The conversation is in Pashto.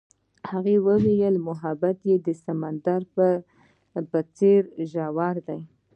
هغې وویل محبت یې د سمندر په څېر ژور دی.